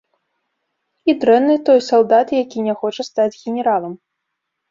І дрэнны той салдат, які не хоча стаць генералам.